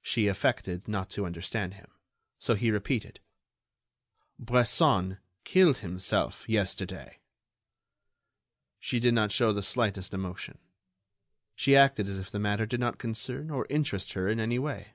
She affected not to understand him; so he repeated: "Bresson killed himself yesterday...." She did not show the slightest emotion; she acted as if the matter did not concern or interest her in any way.